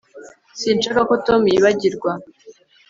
Sinshaka ko Tom yibagirwa